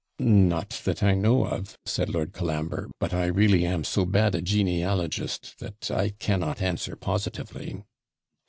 'Not that I know of,' said Lord Colambre; 'but I really am so bad a genealogist, that I cannot answer positively.'